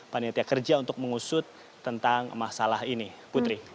panitia kerja untuk mengusut tentang masalah ini putri